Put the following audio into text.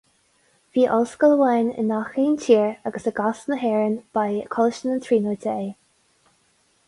Bhí ollscoil amháin i ngach aon tír agus i gcás na hÉireann, ba é Coláiste na Tríonóide é.